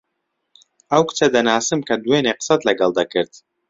ئەو کچە دەناسم کە دوێنێ قسەت لەگەڵ دەکرد.